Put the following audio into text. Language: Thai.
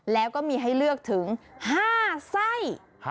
แล้วก็มีให้เลือกถึง๕ไส้